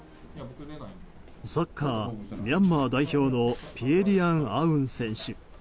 サッカーミャンマー代表のピエ・リヤン・アウン選手。